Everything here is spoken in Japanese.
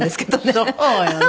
そうよね。